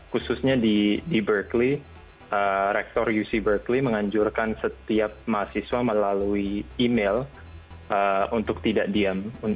khususnya di berkeley rektor uc berkeley menganjurkan setiap mahasiswa melalui email untuk tidak diam